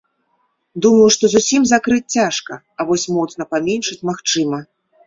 Думаю, што зусім закрыць цяжка, а вось моцна паменшыць магчыма.